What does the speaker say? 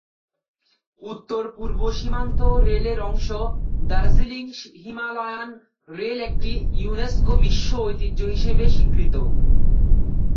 উত্তরপূর্ব সীমান্ত রেলের অংশ দার্জিলিং হিমালয়ান রেল একটি ইউনেস্কো বিশ্ব ঐতিহ্য হিসেবে স্বীকৃত।